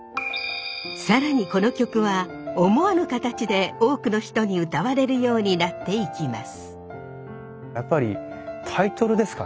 更にこの曲は思わぬ形で多くの人に歌われるようになっていきます。